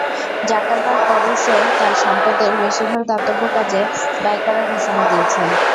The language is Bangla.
জাকারবার্গ অবশ্য তাঁর সম্পদের বেশির ভাগ দাতব্য কাজে ব্যয় করার ঘোষণা দিয়েছেন।